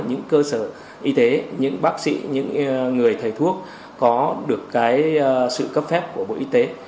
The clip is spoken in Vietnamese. những cơ sở y tế những bác sĩ những người thầy thuốc có được cái sự cấp phép của bộ y tế